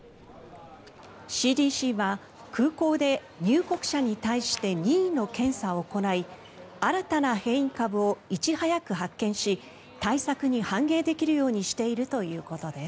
ＣＤＣは空港で入国者に対して任意の検査を行い新たな変異株をいち早く発見し対策に反映できるようにしているということです。